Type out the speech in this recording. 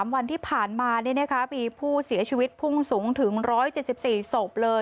วันที่ผ่านมามีผู้เสียชีวิตพุ่งสูงถึง๑๗๔ศพเลย